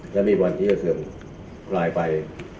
และมีวันที่จะเผื่อเลยไป